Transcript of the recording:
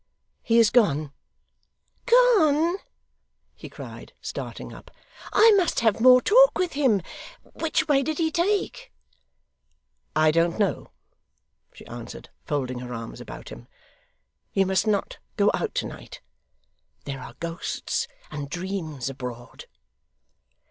'He is gone.' 'Gone!' he cried, starting up. 'I must have more talk with him. Which way did he take?' 'I don't know,' she answered, folding her arms about him. 'You must not go out to night. There are ghosts and dreams abroad.